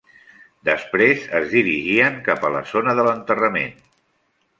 Després es dirigien cap a la zona de l'enterrament.